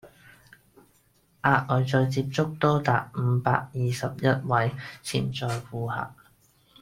額外再接觸多達五百二十一位潛在顧客